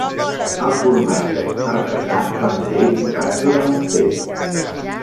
Els formatges artesans van ser ignorats durant un temps.